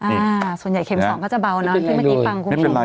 อ่าส่วนใหญ่เข็มสองก็จะเบาเนอะที่เมื่อกี้ฟังคุณผู้ชม